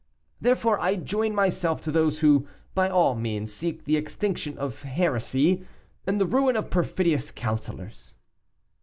Therefore I join myself to those who by all means seek the extinction of heresy and the ruin of perfidious counselors."